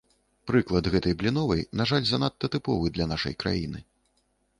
Прыклад гэтай бліновай, на жаль, занадта тыповы для нашай краіны.